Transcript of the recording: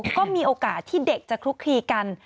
ก็มีโอกาสที่เด็กจะคลุกคลีกัน